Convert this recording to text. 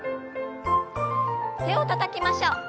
手をたたきましょう。